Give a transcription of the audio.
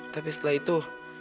tapi setelah itu